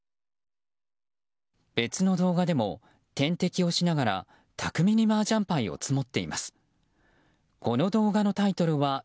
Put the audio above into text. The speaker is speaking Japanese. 別の動画でも、点滴をしながら巧みにマージャンパイをツモっています。